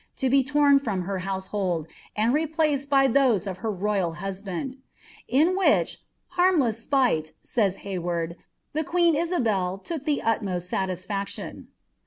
to be lom from her household, and replaced by tliowi at te royal husbuod , ia which ^ harmless spite," says Hay ward. ^ the fNCi Isabel tuok the utmost saiislaction."